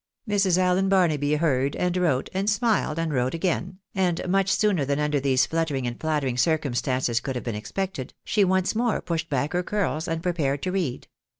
Mrs. Allen Barnaby heard, and wrote, and smiled, and wrote again ; and much sooner than under these fluttering and flattering circum stances could have been expected, she once more pushed back her curls, and prepared to read.